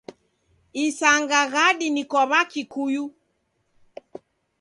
Isanga ghadi ni kwa w'akikuyu.